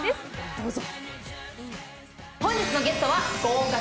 どうぞ。